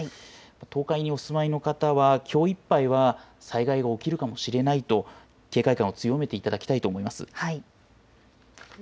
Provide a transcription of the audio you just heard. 東海にお住まいの方はきょういっぱいは災害が起きるかもしれないと警戒感を強めていただきたいと思います。